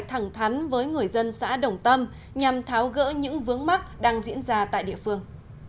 thẳng thắn với người dân xã đồng tâm nhằm tháo gỡ những vướng mắt đang diễn ra tại địa phương